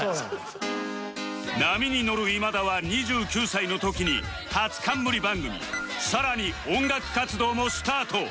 波にのる今田は２９歳の時に初冠番組さらに音楽活動もスタート